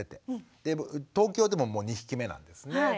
で東京でももう２匹目なんですね。